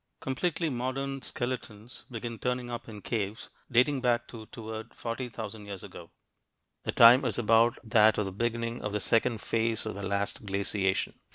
Completely modern skeletons begin turning up in caves dating back to toward 40,000 years ago. The time is about that of the beginning of the second phase of the last glaciation.